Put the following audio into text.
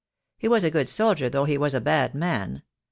He was a good soldier though he was a bad man.